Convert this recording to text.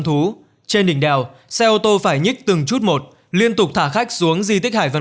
thú trên đỉnh đèo xe ô tô phải nhích từng chút một liên tục thả khách xuống di tích hải vân